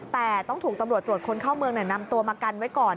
แต่ต้องถูกตำรวจตรวจคนเข้าเมืองนำตัวมากันไว้ก่อน